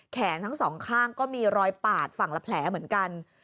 แขนทั้งสองข้างก็มีรอยปาดฝั่งละแผลเหมือนกัน